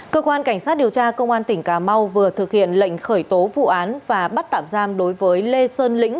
cơ quan cảnh sát điều tra công an tỉnh cà mau vừa thực hiện lệnh khởi tố vụ án và bắt tạm giam đối với lê sơn lĩnh